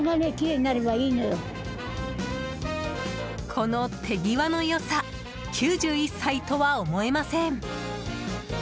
この手際良さ９１歳とは思えません。